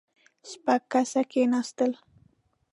شپږ کسه کېناستل.